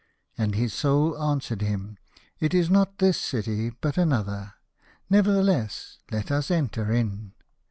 " And his Soul answered him, " It is not this city, but another. Nevertheless let us enter • j y in.